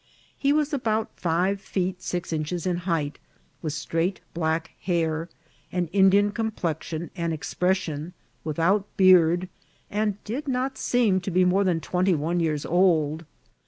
He was abont five feet six inches in height, with straight black hair, an Indian complexion and expres* aion, without beard, and did not seem to be more than twenty one years old.